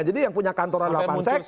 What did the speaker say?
jadi yang punya kantor adalah pansek